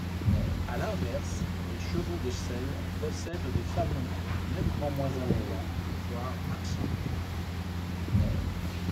À l'inverse, les chevaux de selle possèdent des fanons nettement moins abondants, voire absents.